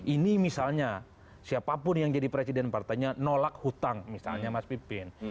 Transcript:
ini misalnya siapapun yang jadi presiden partainya nolak hutang misalnya mas pipin